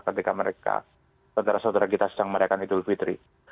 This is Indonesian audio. ketika mereka saudara saudara kita sedang merayakan idul fitri